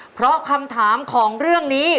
เพราะคำถามของเรื่องนี้